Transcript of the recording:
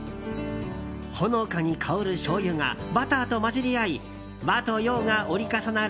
ほのかに香るしょうゆがバターと混じり合い和と洋が折り重なる